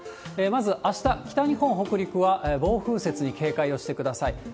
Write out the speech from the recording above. まずあした、北日本、北陸は暴風雪に警戒をしてください。